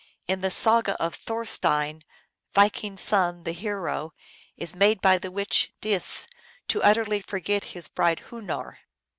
In the saga of Thorstein, Viking s son the hero, is made by the witch Dis to utterly forget his bride Hunoor.